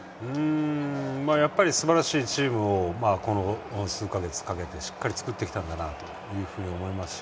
やっぱりすばらしいチームをこの数か月かけてしっかり作ってきたんだなというふうに思いますし